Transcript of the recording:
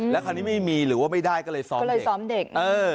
แล้วคราวนี้ไม่มีหรือว่าไม่ได้ก็เลยซ้อมเด็ก